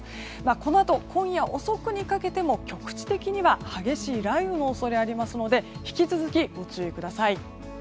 このあと今夜遅くにかけても局地的には激しい雷雨の恐れがありますので引き続きご注意ください。